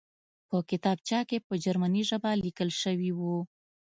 په کتابچه کې په جرمني ژبه لیکل شوي وو